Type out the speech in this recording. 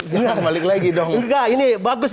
jangan balik lagi dong nggak ini bagus